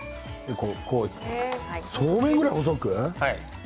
そうめんぐらい細く？